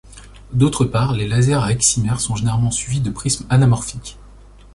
D’autre part, les lasers à excimère sont généralement suivis de prismes anamorphiques.